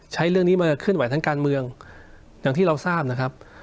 ใช้เรื่องนี้มาเคลื่อนไหวทางการเมืองอย่างที่เราทราบนะครับ